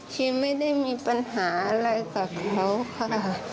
ที่ไม่ได้มีปัญหาอะไรกับเขาค่ะ